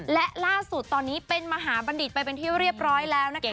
และล่าสุดตอนนี้เป็นมหาบัณฑิตไปเป็นที่เรียบร้อยแล้วนะคะ